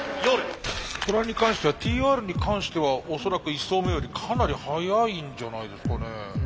トラに関してはＴＲに関しては恐らく１走目よりかなり速いんじゃないですかね。